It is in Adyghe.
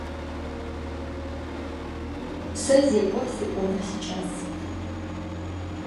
Se zêk'o sık'onır siç'as.